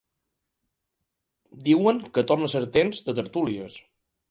Diuen que torna a ser temps de tertúlies.